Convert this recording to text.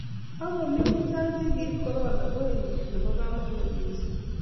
ak ko mi chechang che ki ib korona koek nebo kamangut mising